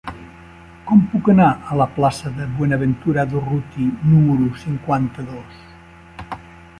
Com puc anar a la plaça de Buenaventura Durruti número cinquanta-dos?